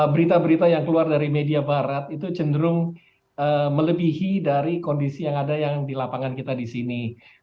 berita berita yang keluar dari media barat itu cenderung melebihi dari kondisi yang ada yang di lapangan kita di sini